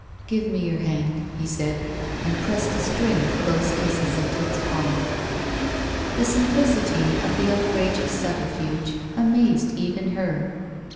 "Give me your hand," he said, and pressed a string of close kisses into its palm. The simplicity of the outrageous subterfuge amazed even her.